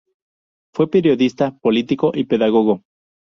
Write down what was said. Fue Periodista, político y pedagogo.